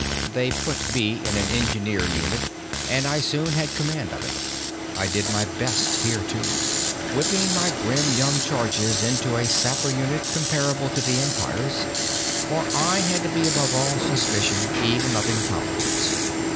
They put me in an engineer unit and I soon had command of it. I did my best here too, whipping my grim young charges into a sapper group comparable to the Empire's, for I had to be above all suspicion, even of incompetence.